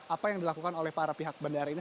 apa yang dilakukan oleh para pihak bandara ini